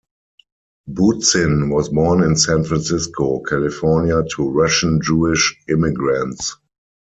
Bootzin was born in San Francisco, California to Russian Jewish immigrants.